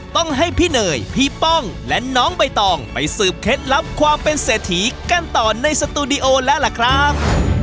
ต้องให้พี่เนยพี่ป้องและน้องใบตองไปสืบเคล็ดลับความเป็นเศรษฐีกันต่อในสตูดิโอแล้วล่ะครับ